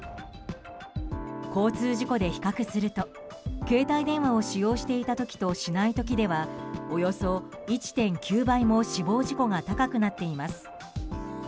交通事故で比較すると携帯電話を使用していた時としない時では、およそ１．９倍も死亡事故が高くなっています。